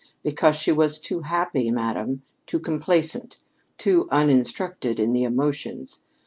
Because she was too happy, madam; too complaisant; too uninstructed in the emotions.